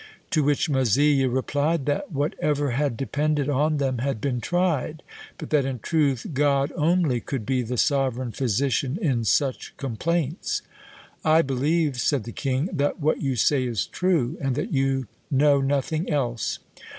To which Mazzille replied, that whatever had depended on them had been tried, but that in truth God only could be the sovereign physician in such complaints. 'I believe,' said the king, 'that what you say is true, and that you know nothing else.